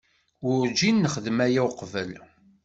Werǧin nexdem aya uqbel.